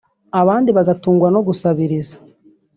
abandi bagatungwa no gusabiriza